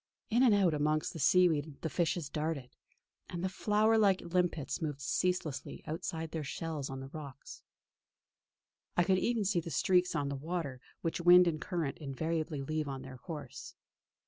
In and out amongst the seaweed the fishes darted, and the flower like limpets moved ceaselessly outside their shells on the rocks. I could even see the streaks on the water which wind and current invariably leave on their course.